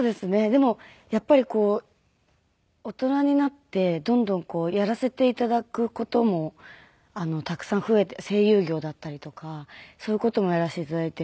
でもやっぱりこう大人になってどんどんこうやらせて頂く事もたくさん増えて声優業だったりとかそういう事もやらせて頂いて。